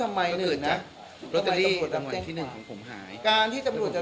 แต่เจ้าตัวก็ไม่ได้รับในส่วนนั้นหรอกนะครับ